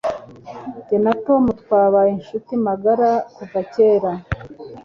Jye na Tom twabaye inshuti magara kuva kera.